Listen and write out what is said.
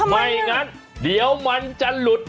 ไม่งั้นเดี๋ยวมันจะหลุด